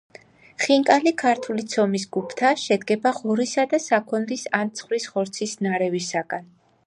ხინკალი ქართული ცომის გუფთა. შედგება ღორისა და საქონლის ან ცხვრის ხორცის ნარევისგან.